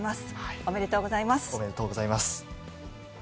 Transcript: おめでとうございます。